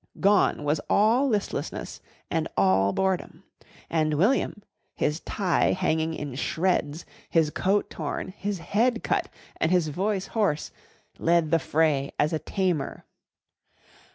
Gone was all listlessness and all boredom. And William, his tie hanging in shreds, his coat torn, his head cut, and his voice hoarse, led the fray as a Tamer.